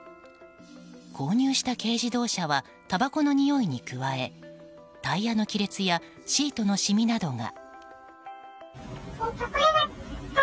購入した軽自動車はたばこのにおいに加えタイヤの亀裂やシートの染みなどが。